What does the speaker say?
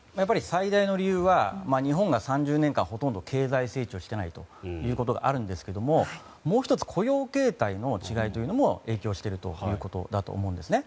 最大の理由は日本が３０年間ほとんど経済成長していないということがあるんですがもう１つ雇用形態の違いも影響しているということだと思うんですね。